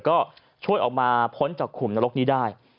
ก็ช่วยออกมาพ้นจากขุมนรกนี้ได้